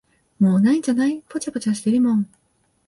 もう無いんじゃない、ぽちゃぽちゃしてるもん。